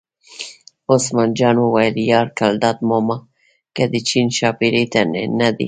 عثمان جان وویل: یار ګلداد ماما که د چین ښاپېرۍ نه دي.